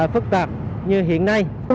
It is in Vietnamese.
phức tạp như hiện nay